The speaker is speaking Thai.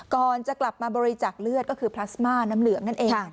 ก่อนจะกลับมาบริจาคเลือดก็คือพลาสมาน้ำเหลืองนั่นเอง